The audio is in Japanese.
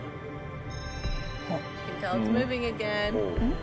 ん？